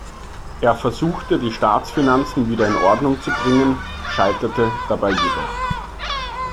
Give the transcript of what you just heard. Er versuchte, die Staatsfinanzen wieder in Ordnung zu bringen, scheiterte dabei jedoch.